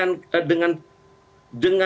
dan mereka sudah memiliki kemampuan mereka